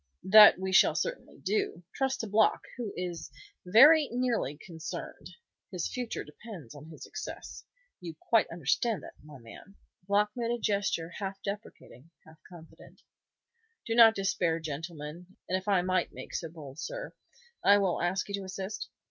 "That we shall certainly do. Trust to Block, who is very nearly concerned. His future depends on his success. You quite understand that, my man?" Block made a gesture half deprecating, half confident. "I do not despair, gentlemen; and if I might make so bold, sir, I will ask you to assist?